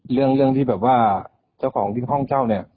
เรื่องเรื่องที่แบบว่าเจ้าของที่ห้องเจ้าเนี้ย